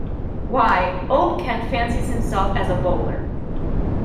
Why, old Kent fancies himself as a bowler.